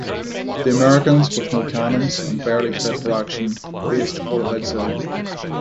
The Americans, with no cannons, and barely fit for action, faced a fortified city.